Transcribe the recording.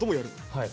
はい。